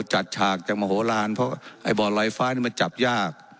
ฉากจากมโหลานเพราะไอ้บ่อลอยฟ้านี่มันจับยาก